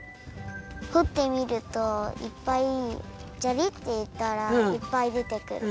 ほってみるといっぱいジャリっていったらいっぱいでてくる。